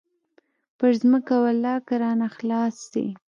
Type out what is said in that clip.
پر ځمكه ولله كه رانه خلاص سي.